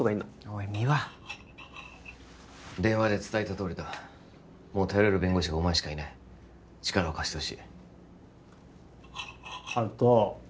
おい三輪電話で伝えたとおりだもう頼れる弁護士がお前しかいない力を貸してほしい温人